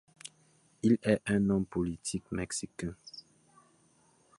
Il est un homme politique mexicain.